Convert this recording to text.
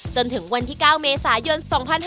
จนถึงวันที่๙เมษายน๒๕๕๙